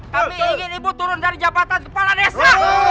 kami ingin ibu turun dari jabatan kepala desa